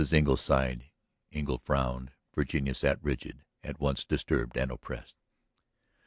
Engle sighed; Engle frowned; Virginia sat rigid, at once disturbed and oppressed.